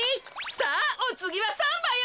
さあおつぎはサンバよ！